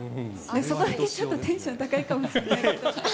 そこだけちょっとテンション高いかもしれない。